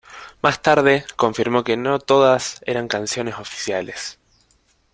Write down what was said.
Más tarde, confirmó que no todas eran canciones oficiales.